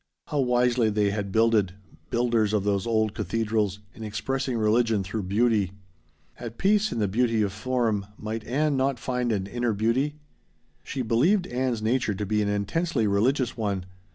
How wisely they had builded builders of those old cathedrals in expressing religion through beauty. At peace in the beauty of form, might Ann not find an inner beauty? She believed Ann's nature to be an intensely religious one.